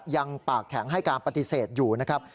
ยังปากแข็งให้การปฏิเสธอยู่นะครับ